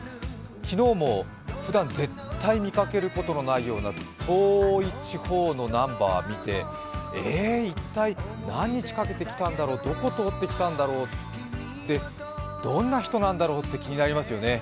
昨日もふだん絶対見かけることのないような遠い地方のナンバー見てえ、一体何日かけて来たんだろうどこ通ってきたんだろう、どんな人なんだろうって気になりますよね。